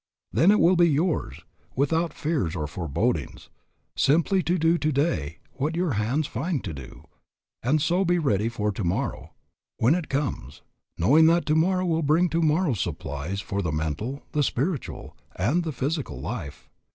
Then it will be yours, without fears or forebodings, simply to do today what your hands find to do, and so be ready for tomorrow, when it comes, knowing that tomorrow will bring tomorrow's supplies for the mental, the spiritual, and the physical life.